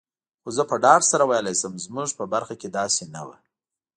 خو زه په ډاډ سره ویلای شم، زموږ په برخه کي داسي نه وو.